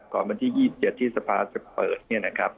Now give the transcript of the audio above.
วันที่๒๗ที่สภาจะเปิดเนี่ยนะครับ